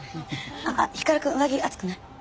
あっ光くん上着暑くない？